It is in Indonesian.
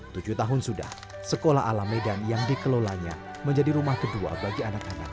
tujuh tahun sudah sekolah ala medan yang dikelolanya menjadi rumah kedua bagi anak anak